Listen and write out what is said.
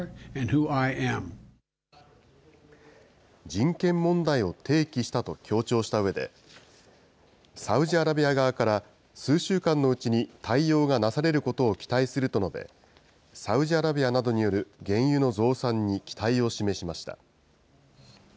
人権問題を提起したと強調したうえで、サウジアラビア側から、数週間のうちに対応がなされることを期待すると述べ、サウジアラビアなどによる原油の増産に期待を示しました。